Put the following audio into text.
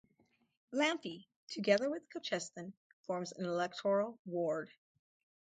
Lamphey, together with Cosheston, forms an electoral ward.